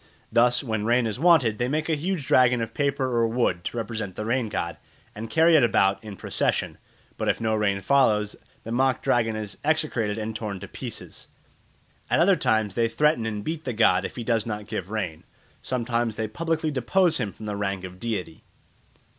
Thus, when rain is wanted they make a huge dragon of paper or wood to represent the rain god, and carry it about in procession; but if no rain follows, the mock dragon is execrated and torn to pieces. At other times they threaten and beat the god if he does not give rain; sometimes they publicly depose him from the rank of deity.